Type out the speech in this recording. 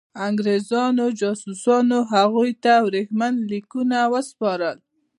انګرېزانو جاسوسانو هغوی ته ورېښمین لیکونه وسپارل.